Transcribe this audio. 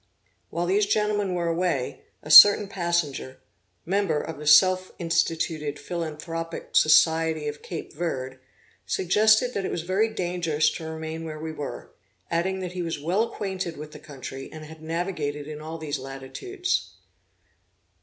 While these gentlemen were away, a certain passenger, member of the self instituted Philanthropic Society of Cape Verd, suggested that it was very dangerous to remain where we were, adding that he was well acquainted with the country, and had navigated in all these latitudes.